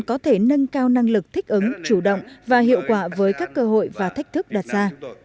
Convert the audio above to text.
có thể nâng cao năng lực thích ứng chủ động và hiệu quả với các cơ hội và thách thức đặt ra